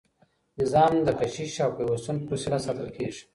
نظام د کشش او پیوستون په وسیله ساتل کیږي.